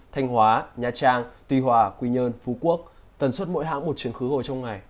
thanh hóa nha trang tuy hòa quy nhơn phú quốc tần suất mỗi hãng một chuyến khứ hồi trong ngày